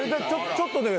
ちょっとね